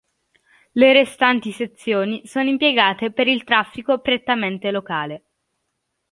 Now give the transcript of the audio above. Le restanti sezioni sono impiegate per il traffico prettamente locale.